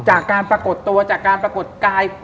จากการปรากฏตัวจากการปรากฏกาย